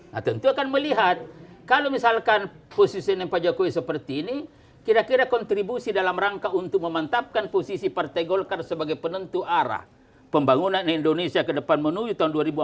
nah tentu akan melihat kalau misalkan posisinya pak jokowi seperti ini kira kira kontribusi dalam rangka untuk memantapkan posisi partai golkar sebagai penentu arah pembangunan indonesia ke depan menuju tahun dua ribu dua puluh empat